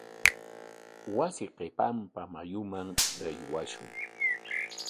Wasi qipanpa mayuman aywashun.